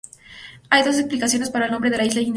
Hay dos explicaciones para el nombre de isla Inaccesible.